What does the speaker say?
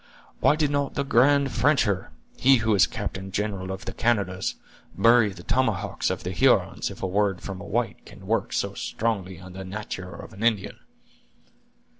"Why did not the grand Frencher, he who is captain general of the Canadas, bury the tomahawks of the Hurons, if a word from a white can work so strongly on the natur' of an Indian?"